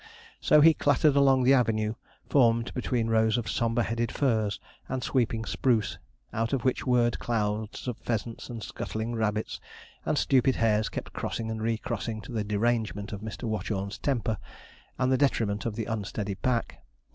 So he clattered along the avenue, formed between rows of sombre headed firs and sweeping spruce, out of which whirred clouds of pheasants, and scuttling rabbits, and stupid hares kept crossing and recrossing, to the derangement of Mr. Watchorn's temper, and the detriment of the unsteady pack.